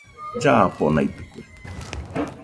Llafonaidɨkue